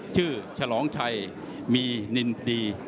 ชื่อชะลองชัยมีนินดี